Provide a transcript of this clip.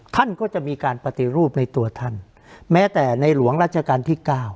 ท่านก็จะมีการปฏิรูปในตัวท่านแม้แต่ในหลวงราชการที่๙